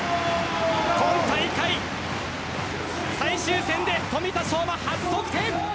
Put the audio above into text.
今大会最終戦で富田将馬、初得点。